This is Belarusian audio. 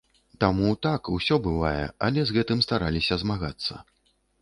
Таму, так, усё бывае, але з гэтым стараліся змагацца.